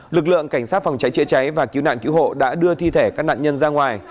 lực lượng cảnh sát phòng cháy chữa cháy và cứu nạn cứu hộ đã đưa thi thể các nạn nhân ra ngoài